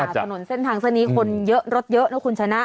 ถนนเส้นทางซะนี้คนรถเยอะนะคุณชนะ